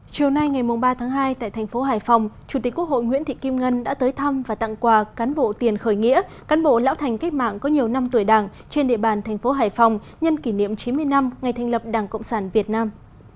chiều nay ngày ba tháng hai tại thành phố hải phòng chủ tịch quốc hội nguyễn thị kim ngân đã tới thăm và tặng quà cán bộ tiền khởi nghĩa cán bộ lão thành cách mạng có nhiều năm tuổi đảng trên địa bàn thành phố hải phòng nhân kỷ niệm chín mươi năm ngày thành lập đảng cộng sản việt nam